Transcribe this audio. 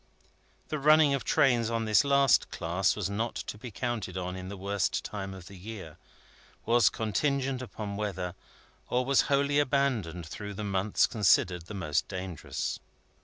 The running of trains on this last class was not to be counted on in the worst time of the year, was contingent upon weather, or was wholly abandoned through the months considered the most dangerous.